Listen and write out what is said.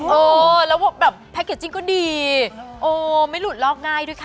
เออแล้วแบบแพ็กเกจจิ้งก็ดีโอ้ไม่หลุดลอกง่ายด้วยค่ะ